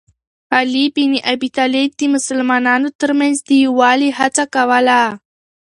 علي بن ابي طالب د مسلمانانو ترمنځ د یووالي هڅه کوله.